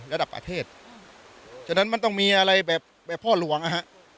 ระดับประเทศฉะนั้นมันต้องมีอะไรแบบพ่อหลวงนะฮะ